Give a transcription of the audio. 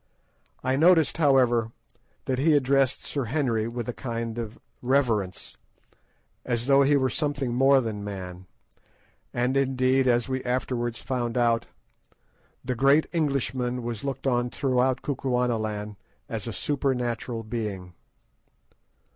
I noticed, however, that he addressed Sir Henry with a kind of reverence, as though he were something more than man; and, indeed, as we afterwards found out, the great Englishman was looked on throughout Kukuanaland as a supernatural being.